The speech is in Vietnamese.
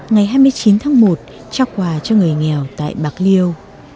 ngày hai mươi chín tháng một trao quà cho người nghèo tại bạc liêu